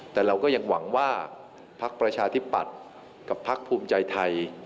แต่เราก็ยังหวังว่าพักประชาธิปัตย์กับพักภูมิใจไทย